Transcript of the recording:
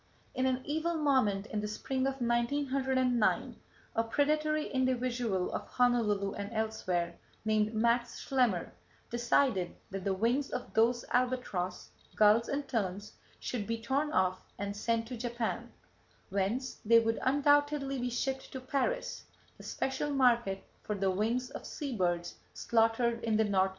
In an evil moment in the spring of 1909, a predatory individual of Honolulu and elsewhere, named Max Schlemmer, decided that the wings of those albatross, gulls and terns should be torn off and sent to Japan, whence they would undoubtedly be shipped to Paris, the special market for the wings of sea birds slaughtered in the North Pacific.